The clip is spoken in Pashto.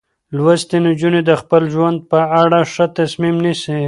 لوستې نجونې د خپل ژوند په اړه ښه تصمیم نیسي.